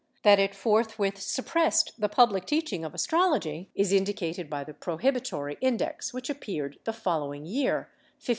That it forth with suppressed the public teaching of astrology is indicated by the Prohibitory Index, which appeared the following year, 1583.